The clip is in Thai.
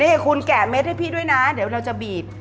นี่คุณแกะเม็ดให้พี่ด้วยนะเดี๋ยวเราจะบีบ